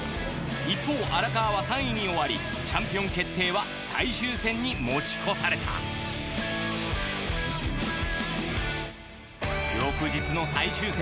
一方荒川は３位に終わりチャンピオン決定は最終戦に持ち越された翌日の最終戦。